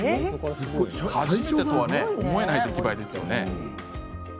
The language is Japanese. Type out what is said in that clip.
初めてとは思えない出来栄えですよね。